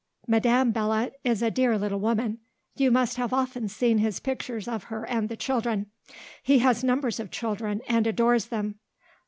Madame Belot is a dear little woman. You must have often seen his pictures of her and the children. He has numbers of children and adores them.